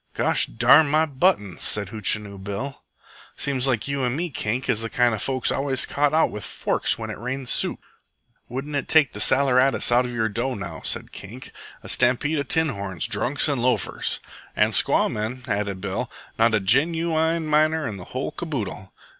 "Gosh darn my buttoms!" said Hootchinoo Bill. "Seems likes you and me, Kink, is the kind of folks always caught out with forks when it rains soup." "Wouldn't it take the saleratus out your dough, now?" said Kink Mitchell. "A stampede of tin horns, drunks, an' loafers." "An' squaw men," added Bill. "Not a genooine miner in the whole caboodle."